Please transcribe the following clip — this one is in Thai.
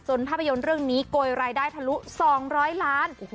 ภาพยนตร์เรื่องนี้โกยรายได้ทะลุ๒๐๐ล้าน